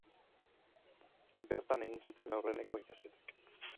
Bertan egin zituen aurreneko ikasketak.